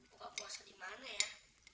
buka puasa di mana ya